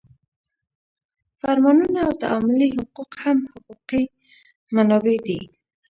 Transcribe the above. فرمانونه او تعاملي حقوق هم حقوقي منابع دي.